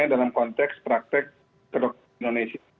dalam konteks praktik kedokteran di indonesia